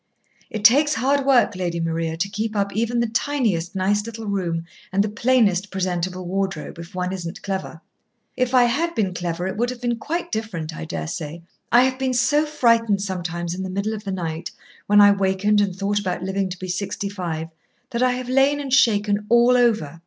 It takes hard work, Lady Maria, to keep up even the tiniest nice little room and the plainest presentable wardrobe, if one isn't clever. If I had been clever it would have been quite different, I dare say. I have been so frightened sometimes in the middle of the night, when I wakened and thought about living to be sixty five, that I have lain and shaken all over.